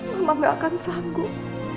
mama gak akan sanggup